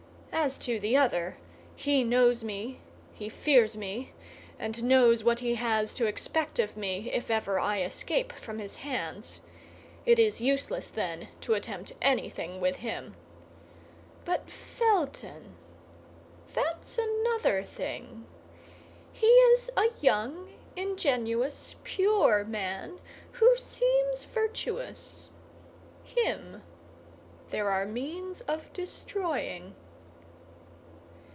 As to the other, he knows me, he fears me, and knows what he has to expect of me if ever I escape from his hands. It is useless, then, to attempt anything with him. But Felton—that's another thing. He is a young, ingenuous, pure man who seems virtuous; him there are means of destroying."